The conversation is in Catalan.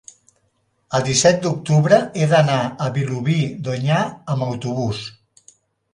el disset d'octubre he d'anar a Vilobí d'Onyar amb autobús.